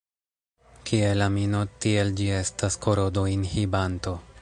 Kiel amino, tiel ĝi estas korodo-inhibanto.